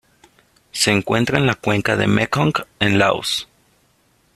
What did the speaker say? Se encuentra en la cuenca del Mekong en Laos.